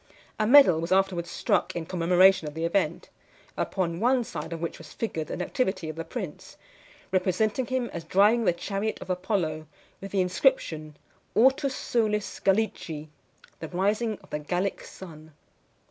A medal was afterwards struck in commemoration of the event; upon one side of which was figured the nativity of the prince, representing him as driving the chariot of Apollo, with the inscription "Ortus solis Gallici," the rising of the Gallic sun.